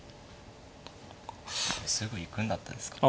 すぐ行くんだったんですかね。